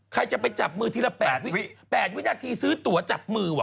ใครจะไปจับมือทีละ๘วินาทีซื้อตัวจับมือว่